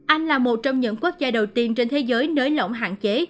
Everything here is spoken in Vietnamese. anh là một trong những quốc gia đầu tiên trên thế giới nới lỏng hạn chế